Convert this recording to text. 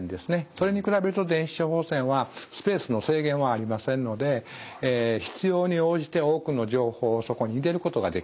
それに比べると電子処方箋はスペースの制限はありませんので必要に応じて多くの情報をそこに入れることができる。